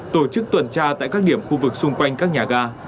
tổ chức tuần tra tại các điểm khu vực xung quanh các nhà ga